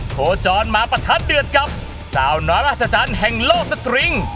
โคจรมาประทัดเดือดกับสาวน้อยราชจันทร์แห่งโลกสตริง